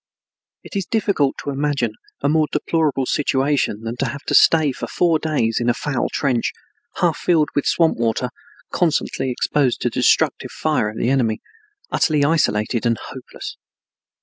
It is difficult to imagine a more deplorable situation than to have to stay for four days in a foul trench, half filled with swamp water, constantly exposed to the destructive fire of the enemy, utterly isolated and hopeless.